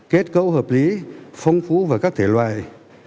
kết cấu hợp lý phong phú về các thể loại